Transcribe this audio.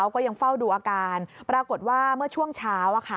ก็ยังเฝ้าดูอาการปรากฏว่าเมื่อช่วงเช้า